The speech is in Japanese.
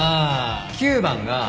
９番が